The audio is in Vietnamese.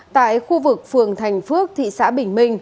tại khu vực phường thành phước thị xã bình minh